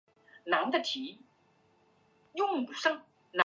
莱兹河畔莱扎人口变化图示